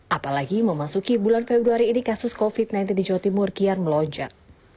apalagi memasuki bulan februari ini kasus covid sembilan belas di jawa timur kian melonjak